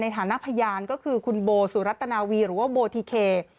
ฐานะพยานก็คือคุณโบสุรัตนาวีหรือว่าโบทิเค